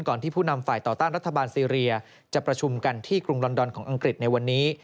ที่ผู้นำฝ่ายต่อต้านรัฐบาลซีเรียจะประชุมกันที่กรุงลอนดอนของอังกฤษในวันนี้